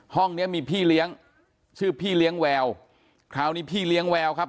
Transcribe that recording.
ห้องเนี้ยมีพี่เลี้ยงชื่อพี่เลี้ยงแววคราวนี้พี่เลี้ยงแววครับ